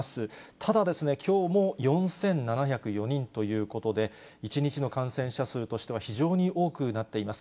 ただですね、きょうも４７０４人ということで、１日の感染者数としては、非常に多くなっています。